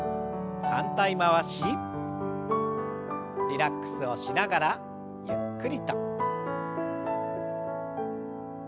リラックスをしながらゆっくりと。